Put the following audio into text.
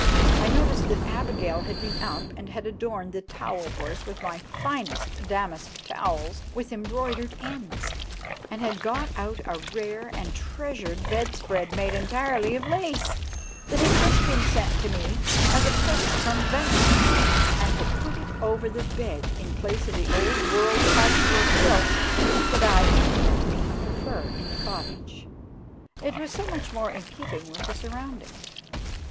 I noticed that Abigail had been up and had adorned the towel horse with my finest damask towels with embroidered ends, and had got out a rare and treasured bedspread made entirely of lace, that had just been sent me as a present from Venice, and had put it over the bed in place of the old world patchwork quilt that I infinitely prefer in the cottage; it was so much more in keeping with the surroundings.